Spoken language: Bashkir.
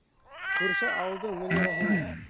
Күрше ауылдың Мөнирәһенә!